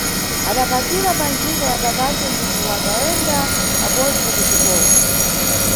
Adapakira panjinga ya babace ndipo wadayenda pabodzi kuxikola.